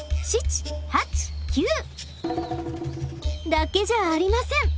だけじゃありません！